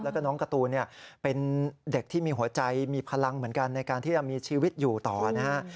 แล้วก็น้องการ์ตูนเนี่ยเป็นเด็กที่มีหัวใจมีพลังเหมือนกันในการที่จะมีชีวิตอยู่ต่อนะฮะ